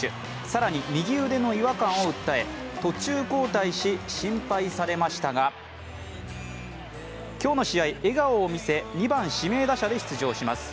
更に右腕の違和感を訴え途中交代し、心配されましたが今日の試合、笑顔を見せ、２番・指名打者で出場します。